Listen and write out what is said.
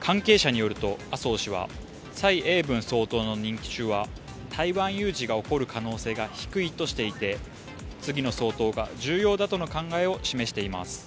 関係者によると麻生氏は蔡英文総統の任期中は台湾有事が起こる可能性が低いとしていて、次の総統が重要だとの考えを示しています。